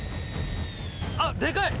あっでかい！